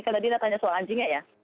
karena dinda tanya soal anjingnya ya